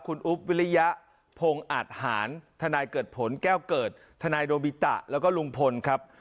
คุณอุ๊บวิริยะพงอาทหารทนายเกิดผลแก้วเกิดทนายโดบิตะแล้วก็ลุงพลครับ